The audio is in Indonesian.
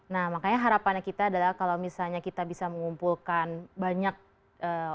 nah makanya harapannya kita adalah kalau misalnya kita bisa mengumpulkan banyak orang